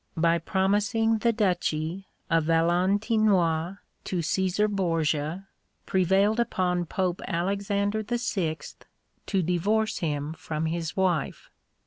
by promising the duchy of Valentinois to Cæsar Borgia, prevailed upon Pope Alexander VI. to divorce him from his wife.